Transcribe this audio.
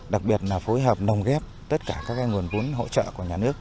đặc biệt là phối hợp nồng ghép tất cả các nguồn vốn hỗ trợ của nhà nước